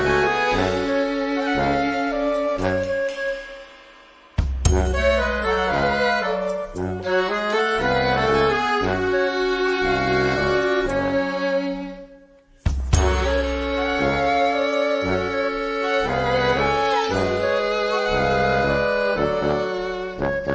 มีความรู้สึกว่ามีความรู้สึกว่ามีความรู้สึกว่ามีความรู้สึกว่ามีความรู้สึกว่า